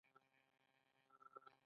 د امید رڼا هم د دوی په زړونو کې ځلېده.